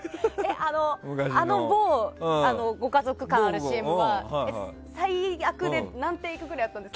あの某ご家族感のあるＣＭは最悪で何テイクぐらいやったんですか？